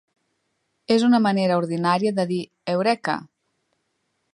...és una manera ordinària de dir Eureka!